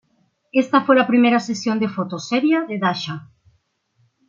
Esta fue la primera sesión de fotos seria de Dasha.